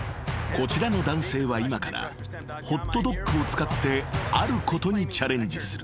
［こちらの男性は今からホットドッグを使ってあることにチャレンジする］